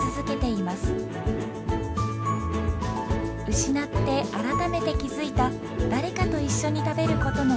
失って改めて気付いた誰かと一緒に食べることの尊さ。